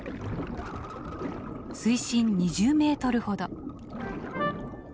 水深２０メートルほど。